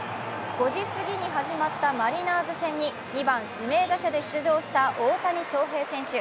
５時過ぎに始まったマリナーズ戦に２番・指名打者で出場した大谷翔平選手。